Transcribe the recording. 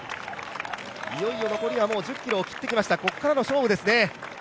いよいよ残り１０ｋｍを切ってきました、ここからの勝負ですね。